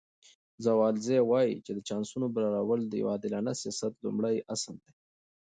راولز وایي چې د چانسونو برابرول د یو عادلانه سیاست لومړی اصل دی.